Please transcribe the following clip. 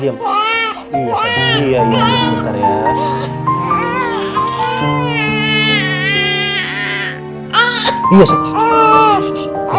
renang dulu itu awis itu pasti